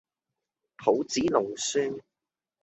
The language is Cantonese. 抱子弄孫